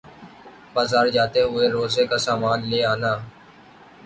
بازار جاتے ہوئے روزہ کا سامان لے آنا